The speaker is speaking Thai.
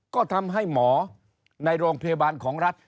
ก็ทำให้หมอในโรงพยาบาลของรัฐ